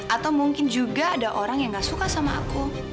atau mungkin juga ada orang yang gak suka sama aku